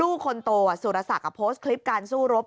ลูกคนโตสุรศักดิ์โพสต์คลิปการสู้รบ